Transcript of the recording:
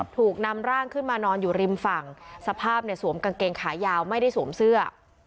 ถูกนำร่างขึ้นมานอนอยู่ริมฝั่งสภาพเนี่ยสวมกางเกงขายาวไม่ได้สวมเสื้อ